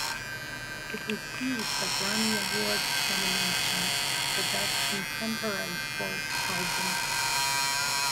It received a Grammy Award nomination for Best Contemporary Folk Album.